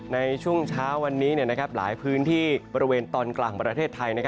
ในช่วงเช้าวันนี้หลายพื้นที่บริเวณตอนกลางของประเทศไทย